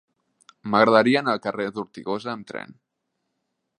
M'agradaria anar al carrer d'Ortigosa amb tren.